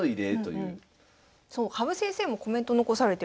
そう羽生先生もコメント残されてるんですよ。